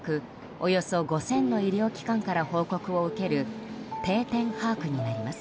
およそ５０００の医療機関から報告を受ける定点把握になります。